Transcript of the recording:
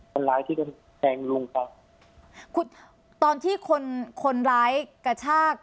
คนร้ายที่โดนแทงลุงเขาคุณตอนที่คนคนร้ายกระชาก